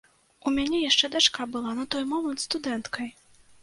У мяне яшчэ дачка была на той момант студэнткай.